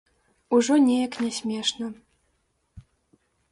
Ужо неяк не смешна.